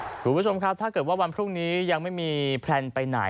คุณผู้ชมครับถ้าเกิดว่าวันพรุ่งนี้ยังไม่มีแพลนไปไหน